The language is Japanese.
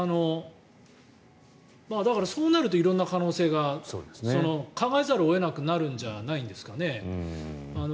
だからそうなると色んな可能性が考えざるを得なくなるんじゃないですかね。